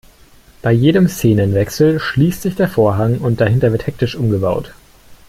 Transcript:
Bei jedem Szenenwechsel schließt sich der Vorhang und dahinter wird hektisch umgebaut.